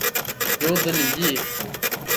有子李撰。